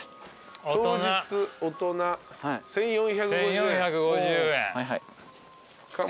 当日大人１，４５０円。か